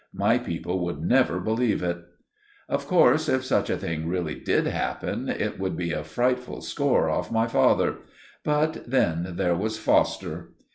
My people would never believe it. Of course, if such a thing really did happen, it would be a frightful score off my father; but then there was Foster.